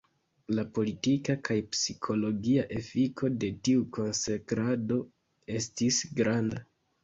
La politika kaj psikologia efiko de tiu konsekrado estis granda.